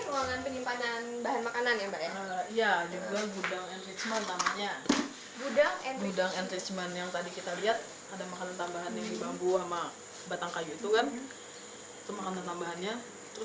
ruangan penyimpanan bahan makanan ya mbak ya ya juga gudang enrichment